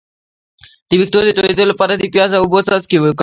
د ویښتو د تویدو لپاره د پیاز او اوبو څاڅکي وکاروئ